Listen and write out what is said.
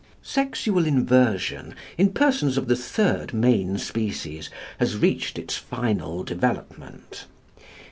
Sexual inversion, in persons of the third main species, has reached its final development.